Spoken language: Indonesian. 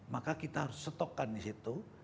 maka kita harus stokkan di situ